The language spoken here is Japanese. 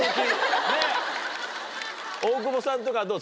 大久保さんとかどう？